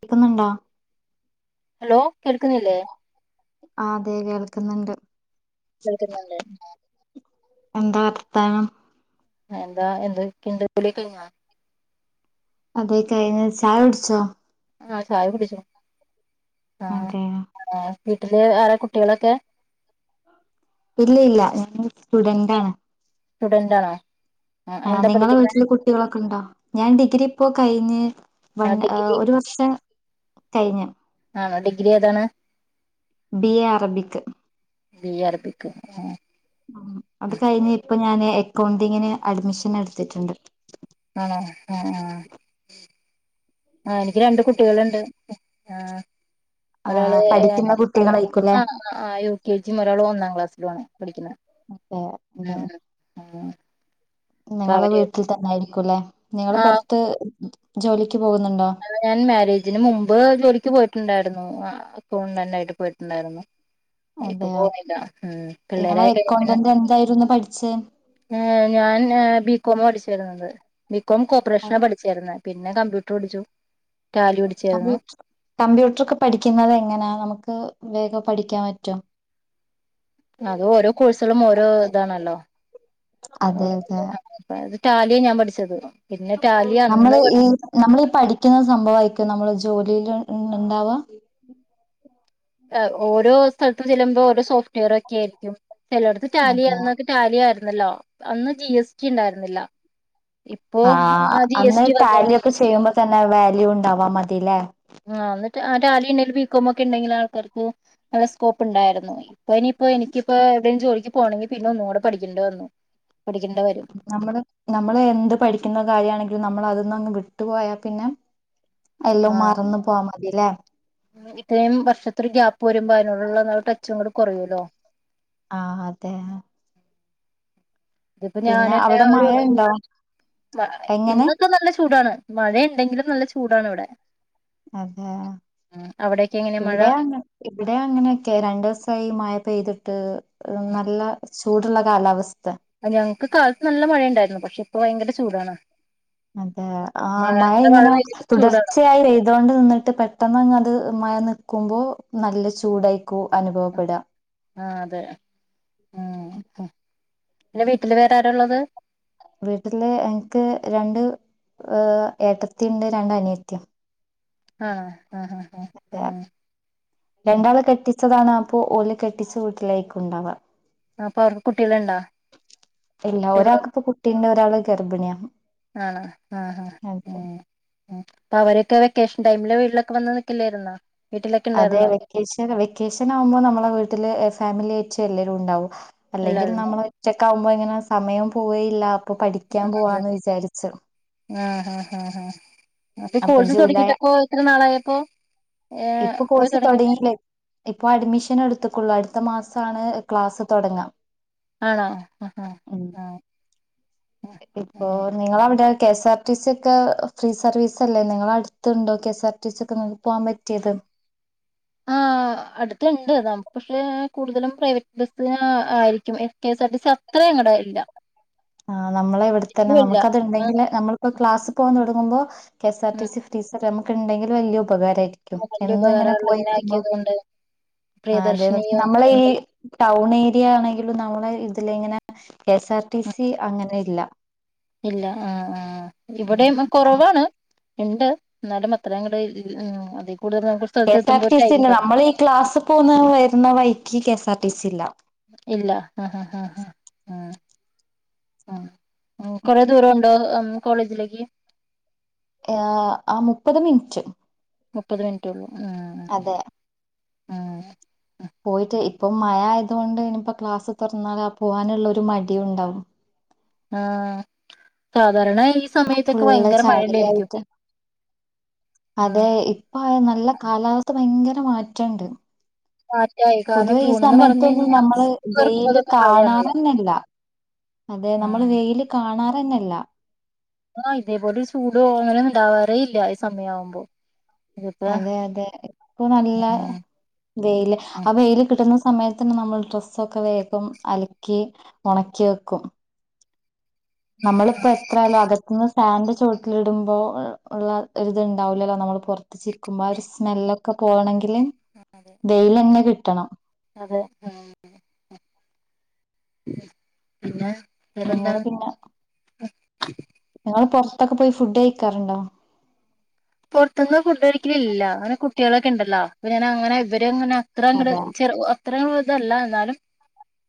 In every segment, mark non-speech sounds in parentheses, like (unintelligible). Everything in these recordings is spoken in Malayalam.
കേക്ക്ന്ന്ണ്ടാ ഹലോ കേൾക്ക്ന്നില്ലേ ആഹ് അതെ കേൾക്ക്ന്ന്ണ്ട് കേൾക്ക്ന്ന്ണ്ട് ഉം ആഹ് എന്താ വർത്താനം എന്താ എന്തൊക്കെക്ക് കുളിയൊക്കെ കെഴ്ഞ്ഞാ അതേ ക്കയ്ഞ്ഞ് ചായകുട്ച്ചോ ആഹ് ചായ കുടിച്ചു ആഹ് അതെ ആണോ വീട്ട്ല് ആരാ കുട്ടികളൊക്കെ ഇല്ല ഇല്ല ഞാനൊരു സ്റ്റുഡന്റ് ആണ്. സ്റ്റുഡന്റ് ആണോ ആഹ് എന്താ നിങ്ങളെ പഠിക്കുന്നെ വീട്ടില് കുട്ടിളൊക്കെ ഇണ്ടാ ഞാൻ ഡിഗ്രി ഇപ്പൊ കയിഞ്ഞ് വൺ ആഹ് ഒരു വർഷം കയ്ഞ്. ആണോ ഡിഗ്രി ഏതാണ്? B A Arabic. B A Arabic അഹ്. അത് കയിഞ് ഇപ്പൊ ഞാന് എക്കൗണ്ടിങ്ങിന് അഡ്മിഷനെട്ത്തിട്ട്ണ്ട്. ആണോ ആ ആഹ് ആ എനിക്ക് രണ്ട് കുട്ടികള്ണ്ട് ആഹ് ആ ഒരാള് ഏയാണ് പഠിക്കുന്ന കുട്ടികളായിക്കൂല്ലേ ആണോ അ ആഹ് യു കെ ജിം ഒരാള് ഒന്നാം ക്ലാസ്സിലു ആണ് പഠിക്ക്ന്നെ അതെ ഉം ഉം. അപ്പൊ നിങ്ങള് അവര് വീട്ടിൽ തന്നായിരിക്കുംലെ നിങ്ങള് ആഹ് പൊർത്ത് ജോലിക്ക് പോക്ന്ന്ണ്ടോ? ആ ഞാൻ മേരേജിന് മുമ്പ് ജോലിക്ക് പോയിട്ട്ണ്ടായിരുന്നു ആ ആ അകൌണ്ടന്റായിട്ട് പോയിട്ട്ണ്ടായ്രുന്നു. ഇപ്പൊ അതെയോ പോവുന്നില്ല നിങ്ങളെ പിള്ളേരായിക്കയിഞേ പിന്നെ അക്കൗണ്ടന്റ് എന്തായിരുന്നു പഠിച്ചേ ഏഹ് ഞാൻ ഏഹ് ബികോമാ പഠിച്ചിരുന്നത് ബികോം കോപ്പറേഷനാ പഠി ചേർന്നെ പിന്നെ കമ്പ്യൂട്ടർ പടിച്ചു. കമ്പ്യൂട്ട്റ് കമ്പ്യൂട്ട്റൊക്കെ പഠിക്ന്നതെങ്ങനാ നമുക്ക് വേഗം പഠിക്കാൻ പറ്റോ? അത് ഓരോ കോഴ്സളും ഓരോ താണല്ലോ. അതെ ഓരോ അതെ (unintelligible) അതായത് ടാലിയ ഞാൻ പഠിച്ചത്. പിന്നെ ടാലി അന്ന് നമ്മള് ഈ പഠിച് നമ്മളീ പഠിക്കുന്ന സംഭവായിരിക്കോ നമ്മളെ ജോലീല് ഇണ്ടാവ? അഹ് ഓരോ സ്ഥൽത്തും ചെല്ലുമ്പോ ഓരോ സോഫ്റ്റ് വെയറൊക്കെ ആയിരികും ചെലടത്ത് അതെ ടാലിയന്നത് - റ്റാലിയയിര്ന്നല്ലോ അന്ന് ജി എസ് ടി ണ്ടായ്ര്ന്നില്ല. ഇപ്പോ ആഹ് ജി എസ് ടി വന്നു. പ്പൊ ചെയ്യുമ്പോ തന്നെ വാല്യുണ്ടാവാ മതില്ലേ? ആഹ് ന്നട്ട് ആ ടാലി ണ്ടെൽ ബിക്കോമൊക്കെണ്ടെങ്കില് ആൾക്കാർക്ക് നല്ല സ്കോപ്പ് ണ്ടാര്ന്നു. ഇപ്പ ഇനിയിപ്പോ എനിക്കിപ്പോ എവിടെ ജോലിക്ക് പോണെങ്കി പിന്നെ ഒന്നൂടെ പഠിക്കണ്ടി വന്നു. പഠിക്കണ്ട വരും. നമ്മള് നമ്മള് എന്ത് പഠിക്ക്ന്ന കാര്യാണെങ്കിലും നമ്മളത് ന്നങ്ങ് വിട്ടു പോയാ പിന്നെ എല്ലും ആഹ് മറന്നു പോവാ മതിലേ? ഇത്രയും വർഷത്തൊരു ഗ്യാപ്പ് വരുമ്പോ അതിനോട്ള്ള നമ്മ്ടെ ടച്ചുഅങ്ങട്ട് കൊറയല്ലോ. ആഹ് ഹതെ. ഇതിപ്പോ പിന്നെ ഞാനെന്നെ അവിടെ ഒരു മഴ ഉണ്ടോ (unintelligible) എങ്ങനെ ഇന്നൊക്കെ നല്ല ചൂടാണ്. മഴയിണ്ടെങ്കിലും നല്ല ചൂടാണ് വടെ. അതേ അവിടെയൊക്കെ എങ്ങനെ മഴ ഇവിടെയു അങ്ങൻ ഇവിടെയു അങ്ങനൊക്കെ രണ്ട് സായി മഴ പെയ്തിട്ട് ഹ് നല്ല ചൂട്ള്ള കാലാവസ്ഥ. അഹ് ഞങ്‌ക്ക് കാൽത്ത് നല്ല മഴയിണ്ടായ്രുന്നു. പക്ഷെ ഇപ്പൊ ഭയങ്കര ചൂടാണ്. അതെ ആഹ് മഴ ഇത്ര ഇങ്ങന പെയ്തിട്ടും ചൂടാണ് തുടർച്ചയായി പെയ് തോണ്ട് നിന്നിട്ട് പെട്ടെന്നങ്ങത് മഴ നിക്കുമ്പോ നല്ല ചൂടായിക്കൂ അനുഭവപ്പെടാ. ആ അതെ ഉം ഹും. പിന്നെ വീട്ടില് വേറാരാ ള്ളത്? വീട്ടില് എൻക്ക് രണ്ട് ഈഹ് ഏട്ടത്തിണ്ട് രണ്ടനിയത്തിം. ആഹ് ആഹ് ഹാ ഹാ അതെയ? രണ്ടാളെ കെട്ടിച്ചതാണ്, അപ്പോ ഓല് കെട്ടിച്ച വീട്ടിലേയ്ക്കു ണ്ടാവാ. അപ്പൊ അവർക്ക് കുട്ടികള്ണ്ടാ? ട്ടികള് ട്ടിണ്ടൊരാള് ഗർഭിണ്യാ ആണോ ആഹ് ആഹ് ഉം ഉം അപ്പൊ അവരൊക്കെ വെക്കേഷൻ ടൈമില് വീട്ടിലൊക്കെ വന്ന് നിക്കില്ലാര്ന്നോ അതെ വെക്കേഷന് വെക്കേഷനാവുമ്പൊ നമ്മളെ വീട്ടില് എഹ് ഫാമിലിയായിറ്റ് എല്ലാരും ഉണ്ടാവും അല്ലെങ്കിൽ എല്ലാരും നമ്മള് ഒറ്റക്കാകുമ്പൊ ഇങ്ങനെ സമയം പോവേയില്ല അപ്പൊ പഠിക്കാൻ അതെ പോവാന്ന് വിചാരിച്ചു ആഹ് ആഹ് ആഹ് ആഹ് അപ്പ അപ്പൊ കോഴ്സ് ജൂലൈ തൊടങ്ങിട്ടപ്പോ എത്ര നാളായപ്പോ ഏഹ് ഇപ്പൊ പോയി കോഴ്സ് തൊടങ്ങീട്ട് തുടങ്ങിയില്ലേ ഇപ്പൊ അഡ്മിഷൻ എടുത്തുക്കുള്ളൂ അടുത്ത മാസാണ് ക്ലാസ്സ് തൊടങ്ങാ ആണോ ആഹ് ആഹ് ആഹ് ഇപ്പോ നിങ്ങളവിടെ കെ എസ് ആർ ടി സിക്കെ ഫ്രീ സർവീസല്ലേ നിങ്ങളെടുത്ത്ണ്ടോ കെ എസ് ആർ ടി സിക്കെ പോവാൻ പറ്റിയത് ആഹ് ആഹ് അടുത്തുണ്ട് നമ്മള് പക്ഷെ കൂടുതലും പ്രൈവറ്റ് ബസ് ആഹ് ആയിരിക്കും S K S R T സ അതങ്ങ്ടെ ഇല്ല ആഹ് നമ്മളെ ഇവിടെത്തന്നെ ഇല്ല ഇല്ല ആഹ് നമുക്കത്ണ്ടെങ്കില് നമ്മളിപ്പോ ക്ലാസ് പോവാൻ തൊടങ്ങുമ്പോ K S R T C ഫ്രീസർ നമുക്ക് ഇണ്ടെങ്കി വല്യ ഉപകാരായിരിക്കും ക്കും ഉം വലിയ എന്നും ഇങ്ങനെ ഉപകാരമുള്ള പോയി വരുമ്പം ആക്കിയത് കൊണ്ട് ആഹ് അതെ പ്രിയദർശിനി നമ്മളെ ഈ വന്നോണ്ട് ടൗണേര്യാണെങ്കിലും നമ്മളെ ഇതിലെ ഇങ്ങനെ കെ എസ് ആർ ടി ഉം സി അങ്ങനെയില്ല ഇല്ല ആഹ് ആഹ് ഇവിടേം ആഹ് കൊറവാണ് ഇണ്ട് എന്നാലും അത്രയങ്ങട് ഇല്ല ആഹ് അതീ കൂടുതല് കെ എസ് ആർ ടി സിണ്ട് നമ്മള് ഈ ക്ലാസ്സ് പോന്ന വരുന്ന വൈക്ക് K S R T C ഇല്ല ഇല്ല ആഹ് ആഹ് ആഹ് ആഹ് ഉം ഉം ഉം കൊറെ ദൂരംണ്ടോ ഉം കോളേജിലേക്ക് യാ ആഹ് മുപ്പത് മിൻറ്റ് മുപ്പത് മിനൻറ്റുള്ളൂ ഉം അതെ ഉം പോയിട്ട് ഇപ്പൊ മയ ആയത് കൊണ്ട് ഇനിപ്പോ ക്ലാസ് തൊറന്നാല് ആഹ് പോവാനുള്ള ഒരു മടിയുണ്ടാവും ആഹ് സാധാരണ ഈ സമയത്തക്കെ ഫുള്ള് ഭയങ്കര മഴല്ലായിരിക്കും ചാലിലായിട്ട് അതെ ഉം ഇപ്പൊ നല്ല കാലാവസ്ഥ പയങ്കര മാറ്റണ്ട് കാറ്റായി കാരണം പൊതുവെ ഈ ജൂൺന്ന് പറഞ്ഞു സമയത്തൊന്നും കഴിഞ്ഞാൽ നമ്മള് സ്കൂൾ വെയില് തുറക്കുന്നതൊക്കെ മഴയാണല്ലോ കാണാനന്നെല്ല അതെ നമ്മള് ഉം വെയില് കാണാറന്നെല്ല ആഹ് ഇതേപോലൊര് ചൂടോ അങ്ങനെണ്ടാവാറേ ഇല്ല ഈ സമയാവുമ്പോ ഇതിപ്പോ അതെ അതെ ഇപ്പൊ നല്ല ഉം വെയില് ഉം ആഹ് വെയില് കിട്ടുന്ന സമയത്ത് തന്നെ നമ്മള് ഡ്രസ്സൊക്കെ വേഗം അലക്കി ഒണക്കി വെക്കും നമ്മളിപ്പോ എത്രയാലും അകത്ത്ന്ന് ഫാനിന്റെ ചോട്ടിലിടുമ്പോ ഒള്ള ഒരിത്ണ്ടാവില്ലല്ലോ നമ്മള് പൊ പൊറത്ത് ചിക്കുമ്പോ ആ ഒരു സ്മെല്ലൊക്കെ പോകണെങ്കില് വെയിലന്നെ കിട്ടണം അതെ ആഹ് ഉം പിന്നെ നിങ്ങള് വേറെന്താണ് പിന്നെ നിങ്ങള് പൊറത്തൊക്കെ പോയി ഫുഡ് കയിക്കാറുണ്ടോ പൊറത്തൂന്ന് ഫുഡ് കഴിക്കലില്ല അങ്ങനെ കുട്ടികളൊക്കെ ഇണ്ടല്ലോ അപ്പോ ഞാനങ്ങനെ ഇവരെ അങ്ങനെ അത്രങ്ങട് അതെ ചെറു ഓഹ് അത്ര ഇതല്ല എന്നാലും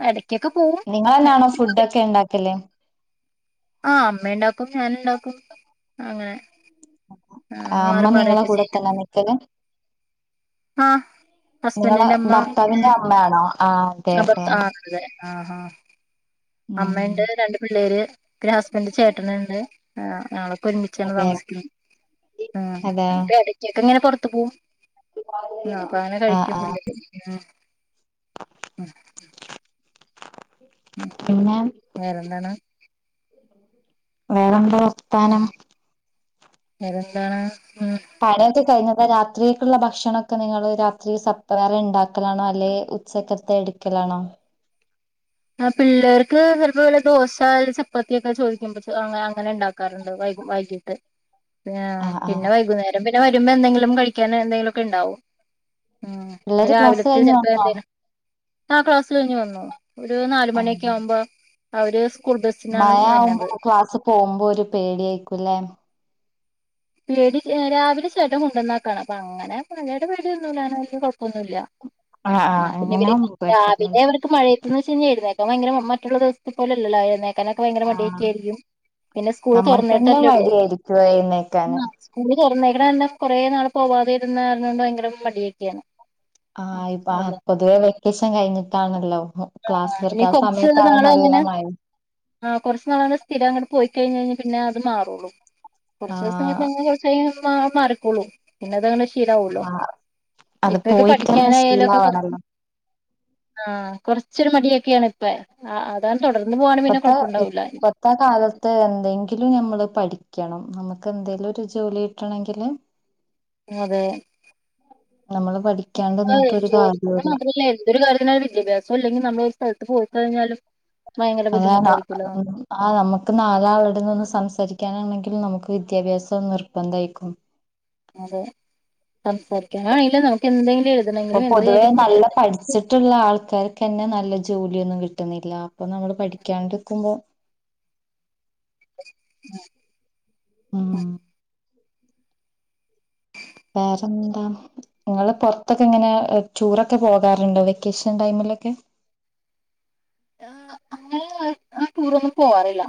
ആഹ് എടക്കക്കെ പോവും (unintelligible) ക്കെണ്ടാക്കല്ലേ ആഹ് അമ്മ ഇണ്ടാക്കും ഞാനുണ്ടാക്കും അങ്ങനെ ആഹ് മാറി മാറിക്കെ ചെയ്യും അവിടെ തന്നേ. ആ, നിങ്ങളെ ഹസ്ബൻഡിന്റെ അമ്മ, ഭർത്താവിന്റെ അമ്മയാണോ ആ അതെ അതെ ആ, ആ. അതെ. ആ, ആ. ഉം അമ്മയുണ്ട് രണ്ട് പിള്ളേർ. പിന്നെ ഹസ്ബറിന്റെ ചേട്ടൻ ഉണ്ട്. ഞളൊക്കെ ഒരുമിച്ചാണ് അതെ താമസിക്കുന്നത്. ഉം, അതെ അ, ഇടക്കൊക്കെ ഇങ്ങനെ പൊറത്തു പോകും. അപ്പൊ അങ്ങനെ ആ കഴിക്കും ആ (unintelligible) ഉം. പിന്നെ. വേറെന്താണ്? വേറെന്താ വർത്താനം? വേറെന്താണ്? പണിയൊക്കെ കഴിഞ്ഞാതാ. രാത്രിക്കുള്ള ഭക്ഷണൊക്കെ നിങ്ങൾ രാത്രി സപ്പറൈറ്റ് വേറെ ഉണ്ടാക്കലാണോ അല്ലെ. സെപ്പറേറ്റ് എടുക്കലാണോ? ആ, പിള്ളേർക്ക് ചിലപ്പോ വല്ല ദോശ, ചപ്പാത്തിയൊക്കെ, ചോദിക്കുമ്പ അങ്ങനെ ഉണ്ടാക്കാറുണ്ട് വൈകീട്ട്. ആ, പിന്നെ വൈകുന്നേരം പിന്നെ വരുമ്പോ എന്തെങ്കിലും കഴിക്കൻ എന്തെങ്കിലുമൊക്കെ ഉണ്ടാവും. പിള്ളേര് ക്ലാസ് രാവിലത്തെ കഴിഞ്ഞ് ചെലപ്പോ വന്നോ എന്തേലും. ആ. ക്ലാസ്സ് കഴിഞ്ഞ് വന്നോ? ഒരു നാല് ആ മണിയൊക്കെ ആവുമ്പോ അവര് സ്കൂൾ ബസിനാണ് മഴ ആവുമ്പോ വരണത്. ക്ലാസ് പോകുമ്പോ ഒരു പേടി ആയിക്കുംല്ലേ. പേടി രാവിലെ ചേട്ടൻ കൊണ്ടുന്നാക്കാണ്. അപ്പൊ അങ്ങനെ പണിടെ പേടിയൊന്നുംല്ല. കുഴപ്പൊന്നുല്ല. ആ, പിന്നെ അങ്ങനെ ആ, ആവുമ്പോ കൊഴപ്പല്ല രാവിലെ മഴയത്ത് ന്ന് വച്ചാ എഴുന്നേൽ ക്കാന്ന് ഭയങ്കര മറ്റുള്ള ദിവസ പോലെ ല്ലോ എഴുന്നേൽ എഴുന്നെ ൽകാനൊക്കെ ഭയങ്കര ആ മടിയൊക്ക ആയിരിക്കും. പിന്നെ സ്കൂൾ തുറന്നിട്ടല്ലേ ഉള്ളൂ. ഏഴുന്നേൽ ക്കാന് സ്കൂൾ തുറന്നേക്കണ കുറേ നാൾ പോവാതെ ഇരുന്ന് കാരണം കൊണ്ട് ഭയങ്കര മടിയൊക്കെയാണ്. ആ, ഇപ്പ അല്ല പൊതുവെ വെക്കേഷൻ കഴിഞ്ഞിട്ടാണല്ലോ. ക്ലാസ് ഇനി തുറക്കാ. ആ, കുറച്ച് സമയത്താണ് നാള് നല്ല അങ്ങനെ മഴ. ആ, കുറച്ച് നാളങ്ങനെ സ്ഥിര അങ്ങട്ട് പോയി കഴിഞ് കഴിഞ്ഞ പിന്നെ അത് മാറൂള്ളൂ. കുറച്ചു ദിവസം ആഹ് അങ്ങനെ പോയിക്കഴിഞ്ഞാൽ മാറികോളും. പിന്നെ അതങ്ങനെ ശീലവല്ലോ. ആഹ് അത് ഇപ്പൊക്കെ പോയിട്ടന്നെ പഠിക്കാനായാലുംക്കെ കുറച്ച് ശീലാവണല്ലോ ആ, കുറച്ചൊരു മടിയൊക്കെയാണ് ഇപ്പ, അതങ്ങനെ തുടർന്ന് പോകാണ് ങ്കി പിന്നെ കൊഴപ്പണ്ടാവില്ല. ഇന്നത്തെ കാലത്ത് എന്തെങ്കിലും നമ്മൾ പഠിക്കണം. നമുക്ക് എന്തെലും ഒരു ജോലി കിട്ടണമെങ്കില് അതെ. നമ്മള് പഠിക്കണ ജോലിക് മാത്രല്ല. എന്തൊരു കാര്യത്തിനും വിദ്യാഭ്യാസം ഇല്ലെങ്കിൽ നമ്മൾ ഒരു സ്ഥലത്ത് പോയി കഴിഞ്ഞാലും ഭയങ്കര അതാണ്. ബുദ്ധിമുട്ടായിരിക്കുല്ലോ ആ, നമുക്ക് നാലാ ആളാടോന്ന് സംസാരിക്കാനാണെങ്കിലിൽ നമുക്ക് വിദ്യാഭ്യാസം നിർബന്ധംമായിരിക്കും. അതെ, സംസാരിക്കാനാന്നെങ്കി ലും നമുക്ക് എന്തെങ്കിലും എഴു ഇപ്പൊ പൊതുവെ നല്ല പഠിച്ചിട്ട് പഠിച്ചിട്ടുള്ള ആൾക്കാർക്ക്ന്നെ നല്ല ജോലിയൊന്നും കിട്ടുന്നില്ല. അപ്പൊ നമ്മള് പഠിക്കാണ്ടിരിക്കുമ്പോ ഉ (inaudible) ഉം (inaudible) വേറെന്താ? നിങ്ങൾ പുറത്തൊക്കെ എങ്ങനെ ടൂറൊക്കെ പോകാറുണ്ടോ? വെക്കേഷൻ ടൈമിലൊക്കെ? ആ, അങ്ങനെ ടുറൊന്നും പോവാറില്ല.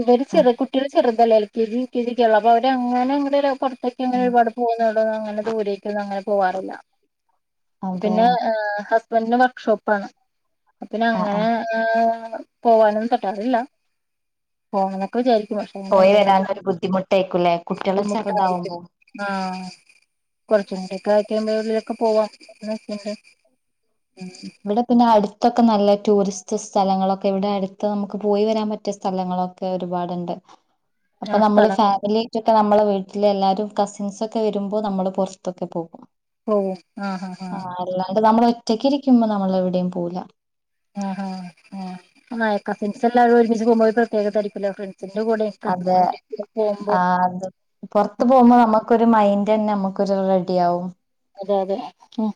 ഇവര് ഉം ചെറ കുട്ടികൾ ചെറുതല്ലേ. കി ഇതിരിക്കുള്ള (unintelligible) അപ്പൊ അവര് അങ്ങനെ പുറ ഒക്കെ അങ്ങനെ ഒരുപാട് പോകുന്നതേടെന്നും അങ്ങനെ ദുരേക്കൊന്നും അങ്ങനെ പോവാറില്ല അതെയോ പിന്നെ ഹസ്ബൻഡന് വർക്ക്ഷോപ്പാണ് പിന്നെ ആഹ് അങ്ങനെ ആഹ് പോവാനൊന്നും പറ്റാറില്ല പോണം എന്നൊക്കെ വിചാരിക്കുന്നു എങ്ങനെ ഉണ്ടായി പോയി നിങ്ങൾക്ക് വരാനൊരു ബുദ്ധിമുട്ടായിക്കൂല്ലേ കുട്ടികള് ചെറുതാവുമ്പോ ബുദ്ധിമുട്ടായിരിക്കും ആഹ് കൊറച്ച് കൂടെക്കെ ആയി കഴിയുബള് ഉള്ളിലൊക്കെ പോവാ (unintelligible) ഉം ഇവിടെ പിന്നെ അടുത്തൊക്കെ നല്ല ടൂറിസ്റ്റ് സ്ഥലങ്ങളൊക്കെ ഇവിടെ അടുത്ത് നമുക്ക് പോയി വരാൻ പറ്റിയ സ്ഥലങ്ങളൊക്കെ ഒക്കെ ഒരുപാടുണ്ട് (inaudible) അപ്പൊ നമ്മള് സ്ഥലം ഫാമിലി റ്റൊക്കെ നമ്മളെ വീട്ടിലെ എല്ലാരും കസിൻസൊക്കെ വരുമ്പോ നമ്മള് പുറത്തൊക്കെ പോകും പോവും ആഹ് ആഹ് ആ അല്ലാണ്ട് നമ്മൾ ഒറ്റക്കിരിക്കുമ്പോ നമ്മള് എവിടെയും പോവുല ആഹ് ആഹ് ആഹ് കസിൻസ് എല്ലാരും ഒരുമിച്ച് പോകുമ്പോ പ്രത്യേകത ആയിരിക്കല്ലോ ഫ്രണ്ട്സിന്റെ കൂടെ ആഹ് (unintelligible) പോവുമ്പോ അത് പെറത്ത് പോകുമ്പോ നമുക്കൊരു മൈന്റെന്നെ നമുക്കൊരു റെഡിയാവും അതെ അതെ ഉം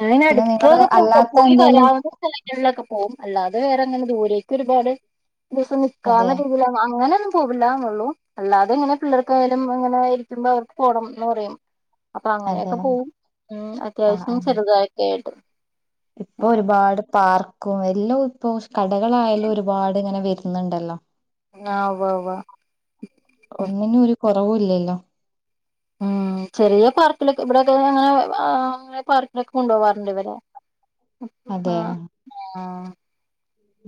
അങ്ങനെ പിന്നെ നിങ്ങള് എടുക്കക്കെ പോ അല്ലാത്ത പോയി എന്തേലും വരാവുന്ന സ്ഥല ങ്ങളിലൊക്കെ പോവും അല്ലാതെ വേറെങ്ങനെ ദൂരേക്ക് ഒരുപാട് ദിവസം അതെ നിക്കാവുന്ന രീതിയില് അങ്ങനെയൊന്നും പോവില്ല എന്നെള്ളൂ അല്ലാതെ ഇങ്ങനെ പിള്ളർക്കായാലും അങ്ങനെയിരിക്കുമ്പോ അവർക്ക് പോകണം എന്ന് പറയും അപ്പൊ അതെ അങ്ങനെയൊക്കെ പോവും ഉം ആഹ് അത്യാവശ്യം ആഹ് ചെറുതായിട്ടക്കൊയിട്ട് ഇപ്പൊ ഒരുപാട് പാർക്കും എല്ലാം ഇപ്പോ കടകളായാലും ഒരുപാട് ഇങ്ങനെ വര് ന്നുണ്ടല്ലോ ആഹ് ഉവ്വ് ഉവ്വ് ഉം ഒന്നിനും ഒരു കൊറവൂല്ലല്ലോ ഉം ചെറിയ പാർക്കിലൊക്കെ ഇവിടെക്കെ ഇങ്ങനെ അങ്ങനെ പാർക്കിലൊക്കെ കൊണ്ടോവാറുണ്ട് ഇവരെ ആഹ് അതെ ആഹ്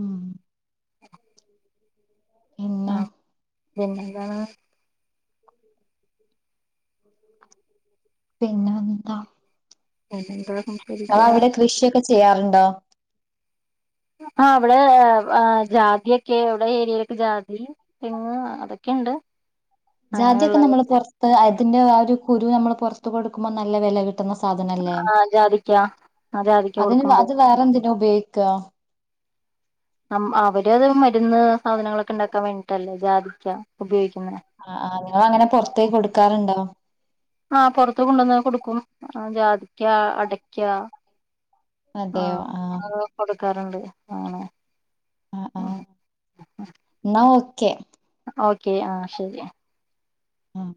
ഉം ഉം പിന്നെ പിന്നെന്താണ് (inaudible) ഉം പിന്നെ എന്താ? പിന്നെ എന്താർന്നു ഇങ്ങളവിടെ കൃഷിയൊക്കെ ചെയ്യാറുണ്ടോ? ആഹ് ഇവിടെ ജാതിയൊക്കെ ഇവിടെ ഏരിയയിലൊക്കെ ജാതി പിനെ അതൊക്കെണ്ട് ജാതിക്കെ നമ്മള് പൊറത്ത് അതിന്റെ ആ ഒരു കുരു നമ്മള് പൊറത്ത് കൊടുക്കുമ്പോൾ നല്ല വെല കിട്ടും കിട്ടുന്ന സാധനല്ലേ ആ ജാതിക്ക ആ ജാതിക്ക അതിന് കൊടുക്കുമ്പോ അത് വേറെന്തിനാ ഉപയോഗിക്കാ അവര് അത് മരുന്ന് സാധനങ്ങളൊക്കെ ഉണ്ടാക്കാൻ വേണ്ടിട്ടല്ലേ ജാതിക്ക ഉപയോഗിക്കുന്നെ ആ നിങ്ങളങ്ങനെ പൊറത്തേക്ക് കൊടു ക്കാറുണ്ടോ? ആഹ് പൊറത്ത് കൊണ്ടുവന്ന് കൊടുക്കും ജാതിക്ക, അടക്ക ആഹ് അത് കൊടുക്കാറുണ്ട് അങ്ങനെ ആഹ് ആഹ് എന്നാ ഓക്കെ ഓക്കെ ആഹ് ശെരി ആഹ്.